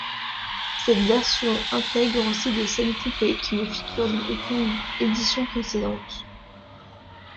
Cette version intègre aussi des scènes coupées qui ne figurent dans aucune édition précédente.